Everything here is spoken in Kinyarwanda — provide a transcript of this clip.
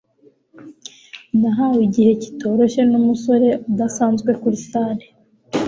Nahawe igihe kitoroshye numusore udasanzwe kuri salle.